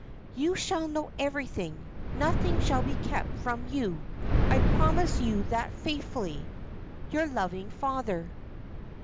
You shall know everything: nothing shall be kept from you I promise you that faithfully. "Your loving "FATHER."